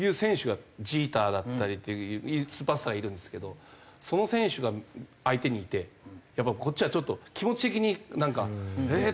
ジーターだったりっていうスーパースターがいるんですけどその選手が相手にいてやっぱこっちはちょっと気持ち的になんかえっ！